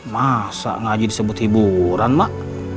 masa ngaji disebut hiburan mak